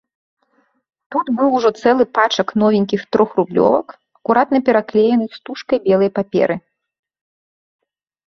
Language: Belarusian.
Тут быў ужо цэлы пачак новенькіх трохрублёвак, акуратна пераклееных стужкай белай паперы.